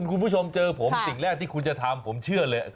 คุณผู้ชมเจอผมสิ่งแรกที่คุณจะทำผมเชื่อเลย